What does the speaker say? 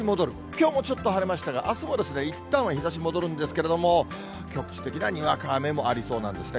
きょうもちょっと晴れましたが、あすもいったんは日ざし戻るんですけれども、局地的なにわか雨もありそうなんですね。